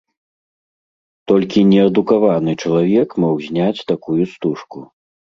Толькі неадукаваны чалавек мог зняць такую стужку.